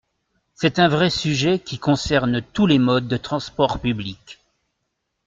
C’est un vrai sujet qui concerne tous les modes de transport public.